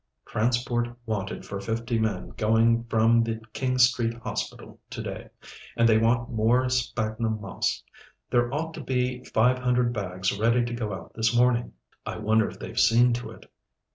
"Transport wanted for fifty men going from the King Street Hospital today and they want more sphagnum moss. There ought to be five hundred bags ready to go out this morning.... I wonder if they've seen to it.